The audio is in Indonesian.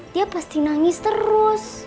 dia pasti nangis terus